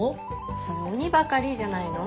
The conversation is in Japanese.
それ「鬼ばかり」じゃないの？